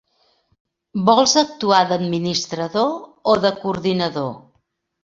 Vols actuar d'administrador o de coordinador?